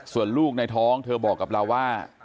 ส่วนลูกในท้องเธอบอกกับเราว่า